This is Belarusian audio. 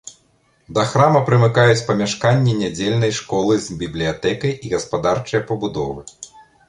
Да храма прымыкаюць памяшканні нядзельнай школы з бібліятэкай і гаспадарчыя пабудовы.